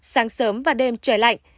sáng sớm và đêm trời lạnh